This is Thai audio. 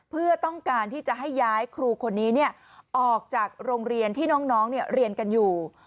เพื่อต้องการที่จะให้ย้ายครูคนนี้ออกจากโรงเรียนที่น้องเรียนกันอยู่